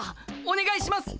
おねがいします！